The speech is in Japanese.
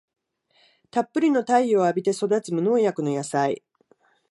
たっぷりの太陽を浴びて育つ無農薬の野菜